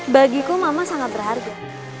bagi ku mama sangat berharga